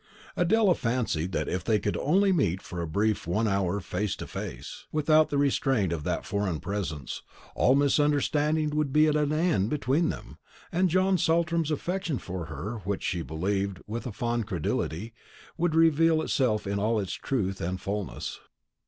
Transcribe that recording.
Adela fancied that if they could only meet for one brief half hour face to face, without the restraint of that foreign presence, all misunderstanding would be at an end between them, and John Saltram's affection for her, in which she believed with a fond credulity, would reveal itself in all its truth and fulness.